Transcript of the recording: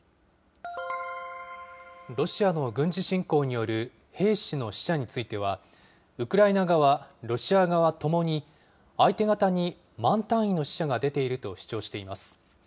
ロシアの軍事侵攻による兵士の死者については、ウクライナ側、ロシア側ともに相手方に万単位の死者が出ていると主張しています。